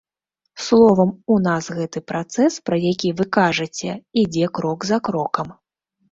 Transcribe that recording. Словам, у нас гэты працэс, пра які вы кажаце, ідзе крок за крокам.